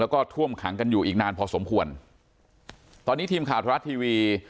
แล้วก็ท่วมขังกันอยู่อีกนานพอสมควรตอนนี้ทีมข่าวธรรมรัฐทีวี